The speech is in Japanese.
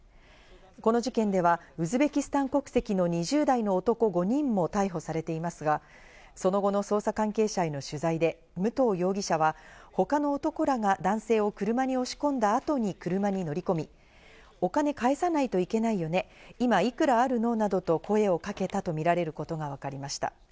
この事件ではウズベキスタン国籍の２０代の男５人も逮捕されていますが、その後の捜査関係者への取材で武藤容疑者は他の男らが男性を車に押し込んだ後に車に乗り込み、お金返さないといけないよね、今、いくらあるのなどと声をかけたとみられることがわかりました。